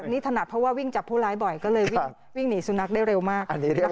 นี่ถนัดเพราะว่าวิ่งจับผู้ร้ายบ่อยก็เลยวิ่งหนีสุนัขได้เร็วมาก